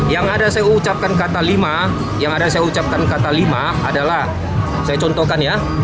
yang ada saya ucapkan kata lima yang ada saya ucapkan kata lima adalah saya contohkan ya